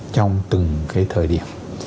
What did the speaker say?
trong từng cái thời điểm